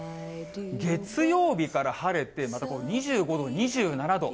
月曜日から晴れて、また２５度、２７度。